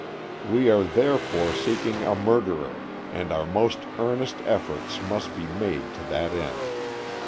We are, therefore, seeking a murderer, and our most earnest efforts must be made to that end.